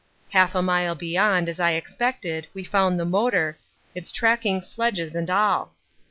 Half a mile beyond, as I expected, we found the motor, its tracking sledges and all.